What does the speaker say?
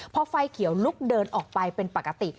พอไฟเขียวลุกเดินออกไปเป็นปกติ